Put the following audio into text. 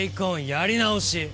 やり直し！